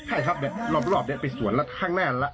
ใช่ครับรอบรอบเป็นสวนแล้วทางหน้าแล้ว